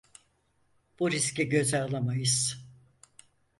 Bu riski göze alamayız.